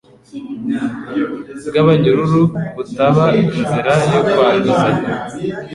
bw'abanyururu butaba inzira yo kwanduzanya.